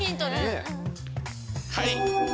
はい。